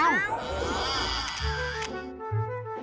๒ตัวพอ